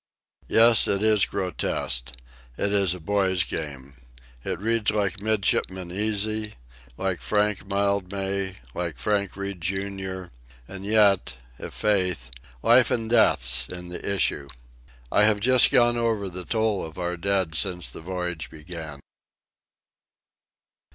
Yes; it is grotesque. It is a boy's game. It reads like Midshipman Easy, like Frank Mildmay, like Frank Reade, Jr.; and yet, i' faith, life and death's in the issue. I have just gone over the toll of our dead since the voyage began.